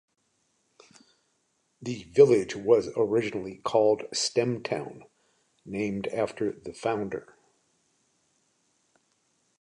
The village was originally called Stemtown, named after the founder.